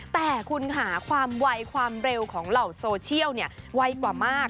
แต่คุณค่ะความไวความเร็วของเหล่าโซเชียลไวกว่ามาก